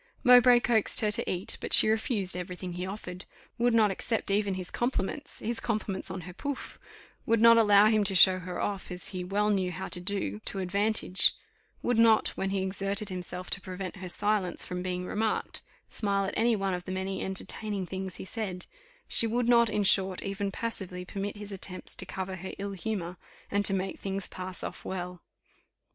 Mowbray coaxed her to eat, but she refused every thing he offered would not accept even his compliments his compliments on her pouf would not allow him to show her off, as he well knew how to do, to advantage; would not, when he exerted himself to prevent her silence from being remarked, smile at any one of the many entertaining things he said; she would not, in short, even passively permit his attempts to cover her ill humour, and to make things pass off well.